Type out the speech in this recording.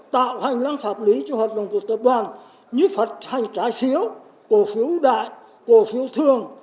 tạo hành lăng pháp lý cho hoạt động của tập đoàn như phạt hành trái phiếu cổ phiếu đại cổ phiếu thường